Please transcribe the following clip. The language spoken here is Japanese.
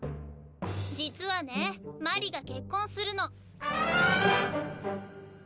実はね鞠莉が結婚するの。